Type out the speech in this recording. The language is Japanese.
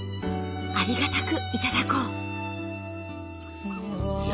ありがたく頂こう。